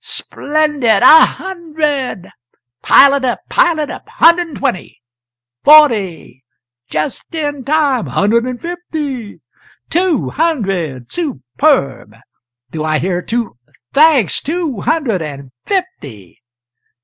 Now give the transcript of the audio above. splendid! a hundred! pile it up, pile it up! hundred and twenty forty! just in time! hundred and fifty! Two hundred! superb! Do I hear two h thanks! two hundred and fifty!